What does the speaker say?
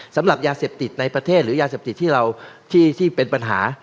สำหรับยาเสพติดในประเทศหรือยาเสพติดที่เราที่เป็นปัญหา